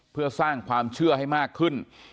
เพื่อสร้างความเชื่อให้มากขึ้น